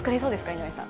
井上さん。